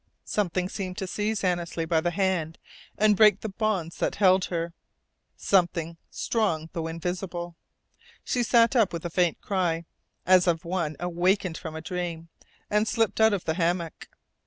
Something seemed to seize Annesley by the hand and break the bonds that had held her, something strong although invisible. She sat up with a faint cry, as of one awakened from a dream, and slipped out of the hammock.